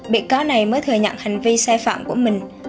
bị cáo này mới thừa nhận hành vi sai phạm của mình